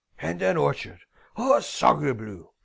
"'And an orchard. Ah, sacre bleu!'